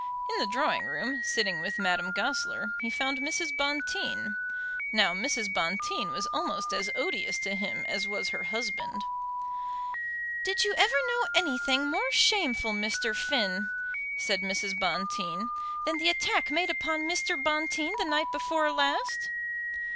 In the drawing room, sitting with Madame Goesler, he found Mrs. Bonteen. Now Mrs. Bonteen was almost as odious to him as was her husband. "Did you ever know anything more shameful, Mr. Finn," said Mrs. Bonteen, "than the attack made upon Mr. Bonteen the night before last?"